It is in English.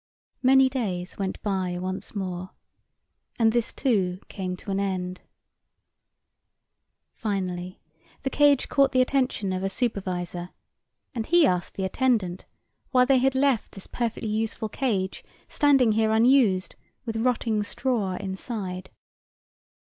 Many days went by once more, and this, too, came to an end. Finally the cage caught the attention of a supervisor, and he asked the attendant why they had left this perfectly useful cage standing here unused with rotting straw inside.